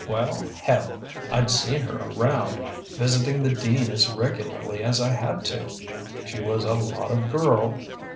Well, hell, I'd seen her around, visiting the dean as regularly as I had to. She was a lot of girl.